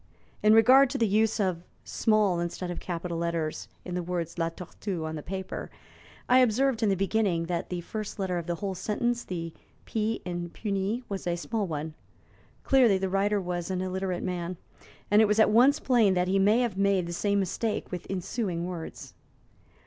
In regard to the use of small instead of capital letters in the words 'La Tortue' on the paper, I observed, in the beginning, that the first letter of the whole sentence the 'p' in 'puni' was a small one. Clearly, the writer was an illiterate man, and it was at once plain that he may have made the same mistake with ensuing words.